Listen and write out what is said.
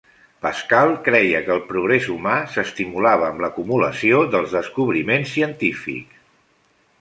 Pascal creia que el progrés humà s'estimulava amb l'acumulació dels descobriments científics.